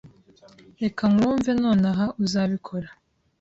Reka nkwumve nonaha, uzabikora?